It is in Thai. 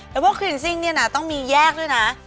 แล้วพวกคลินซิ่งเนี่ยนะต้องมีแยกด้วยนะ